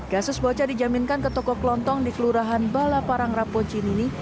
kasus bocah dijaminkan ke toko kelontong di kelurahan balaparang rapocin ini